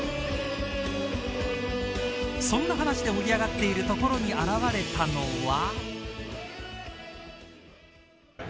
そんな話で盛り上がっているところに現れたのは。